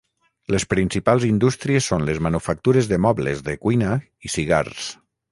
Les principals indústries són les manufactures de mobles de cuina i cigars.